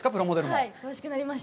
はい、詳しくなりました。